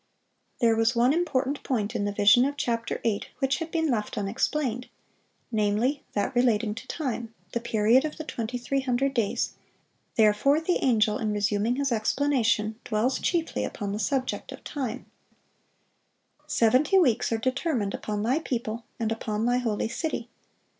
(539) There was one important point in the vision of chapter eight which had been left unexplained, namely, that relating to time,—the period of the 2300 days; therefore the angel, in resuming his explanation, dwells chiefly upon the subject of time: "Seventy weeks are determined upon thy people and upon thy holy city....